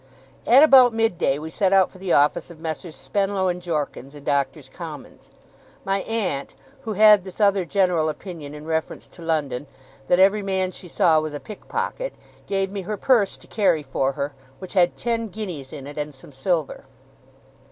At about mid day, we set out for the office of Messrs Spenlow and Jorkins, in Doctors' Commons. My aunt, who had this other general opinion in reference to London, that every man she saw was a pickpocket, gave me her purse to carry for her, which had ten guineas in it and some silver.